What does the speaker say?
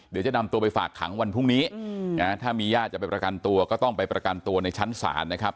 เดี๋ยวจะนำตัวไปฝากขังวันพรุ่งนี้ถ้ามีญาติจะไปประกันตัวก็ต้องไปประกันตัวในชั้นศาลนะครับ